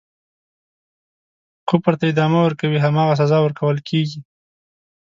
کفر ته ادامه ورکوي هماغه سزا ورکوله کیږي.